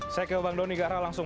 saya ke bang doni ke arah langsung